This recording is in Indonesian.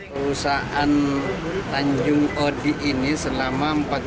perusahaan tanjung odi ini selama empat belas hari